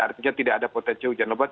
tapi tidak ada potensi hujan